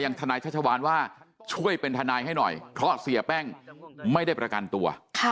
ทนายชัชวานว่าช่วยเป็นทนายให้หน่อยเพราะเสียแป้งไม่ได้ประกันตัว